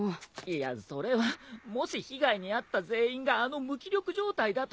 いやそれはもし被害に遭った全員があの無気力状態だとしたら。